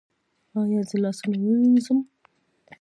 ایا زه لاسونه ووینځم؟